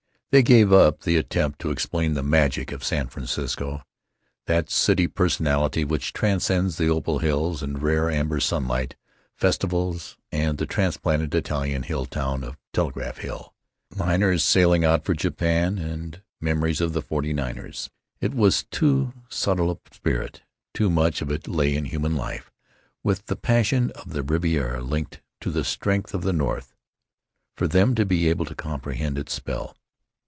They gave up the attempt to explain the magic of San Francisco—that city personality which transcends the opal hills and rare amber sunlight, festivals, and the transplanted Italian hill town of Telegraph Hill, liners sailing out for Japan, and memories of the Forty niners. It was too subtle a spirit, too much of it lay in human life with the passion of the Riviera linked to the strength of the North, for them to be able to comprehend its spell....